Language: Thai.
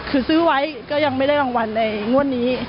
คือซื้อไว้ก็ยังไม่ได้รางวัลในงวดนี้